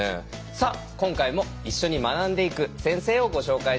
さあ今回も一緒に学んでいく先生をご紹介したいと思います。